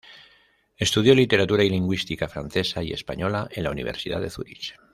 Estudió literatura y lingüística francesa y española, en la Universidad de Zúrich.